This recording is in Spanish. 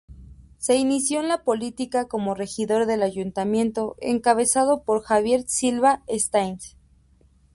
Se inició en la política como regidor del ayuntamiento encabezado por Javier Silva Staines.